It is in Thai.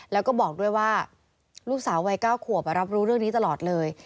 แล้วก็บอกด้วยว่าลูกสาววัย๙ขวบรับรู้เรื่องนี้ตลอดเลย